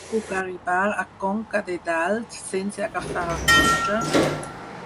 Com puc arribar a Conca de Dalt sense agafar el cotxe?